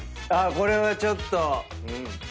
これはちょっと。